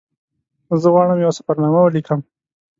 زه غواړم یوه سفرنامه ولیکم.